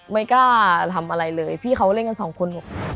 ไม่กล้าทำอะไรเลยพี่เขาเล่นกันสองคน